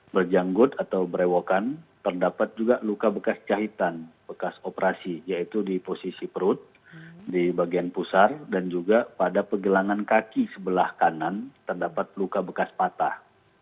berjanggut atau berewokan terdapat juga luka bekas jahitan bekas operasi yaitu di posisi perut di bagian pusar dan juga pada pegelangan kaki sebelah kanan terdapat luka bekas patah